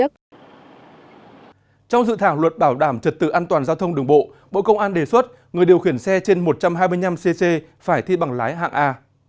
trong dự thảo luật bảo đảm trật tự an toàn giao thông đường bộ bộ công an đề xuất người điều khiển xe trên một trăm hai mươi năm cc phải thi bằng lái hạng a